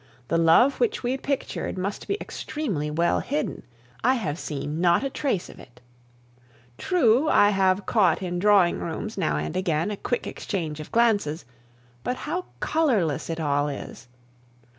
The love which we pictured must be extremely well hidden; I have seen not a trace of it. True, I have caught in drawing rooms now and again a quick exchange of glances, but how colorless it all is!